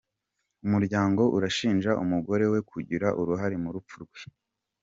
Umuryango urashinja umugore we kugira uruhare mu rupfu rwe